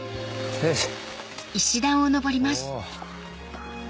よいしょ。